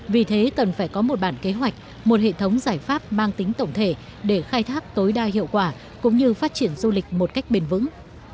vì thế cần phải có một bản kế hoạch một hệ thống giải pháp mang tính tổng thể để khai thác tối đa hiệu quả cũng như phát triển du lịch một cách bền vững